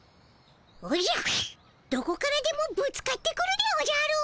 おじゃどこからでもぶつかってくるでおじゃる！